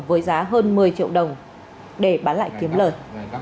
với giá hơn một mươi triệu đồng để bán lại kiếm lời